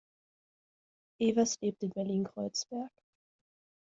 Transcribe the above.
Evers lebt in Berlin-Kreuzberg.